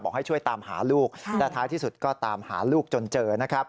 ให้ช่วยตามหาลูกและท้ายที่สุดก็ตามหาลูกจนเจอนะครับ